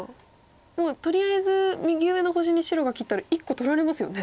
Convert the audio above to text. もうとりあえず右上の星に白が切ったら１個取られますよね。